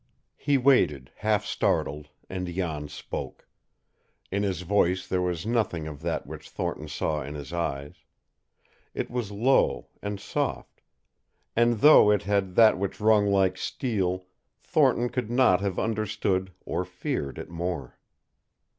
He waited, half startled, and Jan spoke. In his voice there was nothing of that which Thornton saw in his eyes. It was low, and soft, and though it had that which rung like steel, Thornton could not have understood or feared it more.